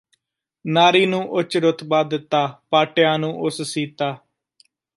ਨਾਰੀ ਨੂੰ ਉੱਚ ਰੁਤਬਾ ਦਿੱਤਾ ਪਾਟਿਆਂ ਨੂੰ ਉਸ ਸੀਤਾ